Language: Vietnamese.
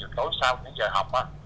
tối sau đến giờ học